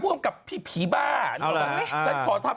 รอติดตามนะครับ